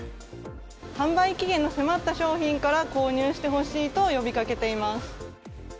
販売期限の迫った商品から購入してほしいと呼びかけています。